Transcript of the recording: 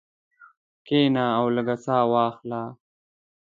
کښېنه او لږه ساه واخله.